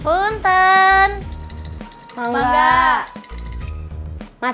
udah lama gak ketemu